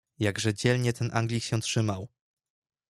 "Jakże dzielnie ten Anglik się trzymał!"